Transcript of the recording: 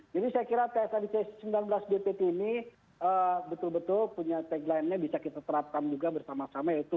jadi saya kira tsi c sembilan belas bpp ini betul betul punya tagline nya bisa kita terapkan juga bersama sama yaitu